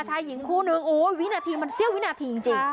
ชายหญิงคู่นึงโอ้ยวินาทีมันเสี้ยววินาทีจริง